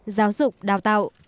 giáo dục đào tạo